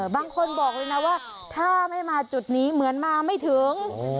บางคนบอกเลยนะว่าถ้าไม่มาจุดนี้เหมือนมาไม่ถึง